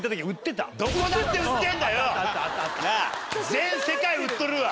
全世界売っとるわ！